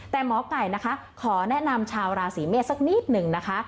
แต่หมอไก่นะคะขอแนะนำชาวราศีเมษสักนิดหนึ่งนะคะ